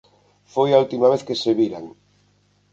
Foi a última vez que se viran.